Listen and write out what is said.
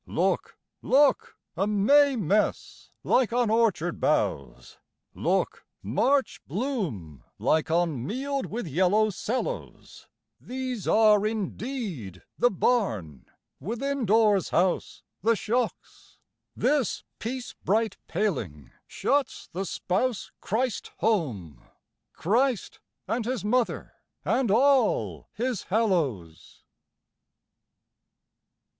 Look, look: a May mess, like on orchard boughs! Look! March bloom, like on mealed with yellow sallows! These are indeed the barn; withindoors house The shocks. This piece bright paling shuts the spouse Christ home, Christ and his mother and all his hallows.